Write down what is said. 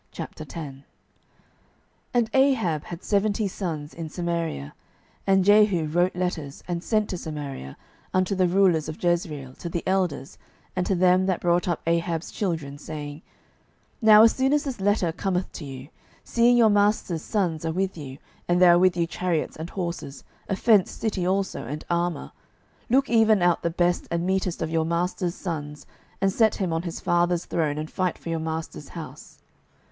12:010:001 And Ahab had seventy sons in Samaria. And Jehu wrote letters, and sent to Samaria, unto the rulers of Jezreel, to the elders, and to them that brought up Ahab's children, saying, 12:010:002 Now as soon as this letter cometh to you, seeing your master's sons are with you, and there are with you chariots and horses, a fenced city also, and armour; 12:010:003 Look even out the best and meetest of your master's sons, and set him on his father's throne, and fight for your master's house.